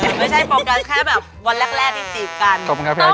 ไม่ใช่โฟกัสแค่แบบวันแรกที่จีบกันอเจมส์ขอบคุณครับพี่พลัทค์